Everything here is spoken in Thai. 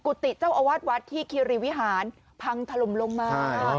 กุฏิเจ้าเอาวาทวัดที่คียดรีย์วิหารพังทลมลงมา